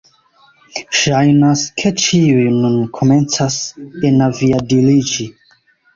Ŝajnas, ke ĉiuj nun komencas enaviadiliĝi